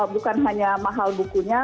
bukan hanya mahal bukunya